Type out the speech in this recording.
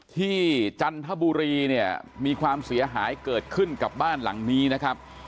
จันทบุรีเนี่ยมีความเสียหายเกิดขึ้นกับบ้านหลังนี้นะครับ